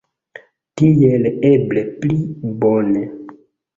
Tiel eble pli bone.